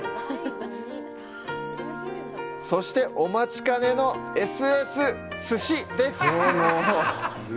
そして、お待ちかねのＳＳ鮨です！